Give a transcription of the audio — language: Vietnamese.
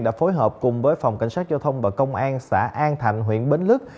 đã phối hợp cùng với phòng cảnh sát giao thông và công an xã an thạnh huyện bến lức